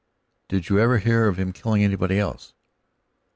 "Did you ever hear of him killing anybody else?"